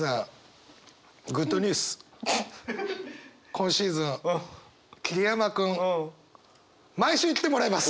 今シーズン桐山君毎週来てもらいます。